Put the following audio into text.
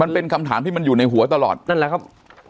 มันเป็นคำถามที่มันอยู่ในหัวตลอดนั่นแหละครับ